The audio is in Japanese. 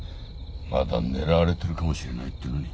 まだ狙われてるかもしれないっていうのに。